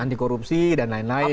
anti korupsi dan lain lain